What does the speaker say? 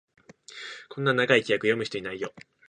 こんな長い規約、読む人いないよ